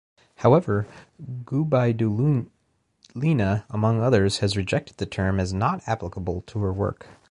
However, Gubaidulina, among others, has rejected the term as not applicable to her work.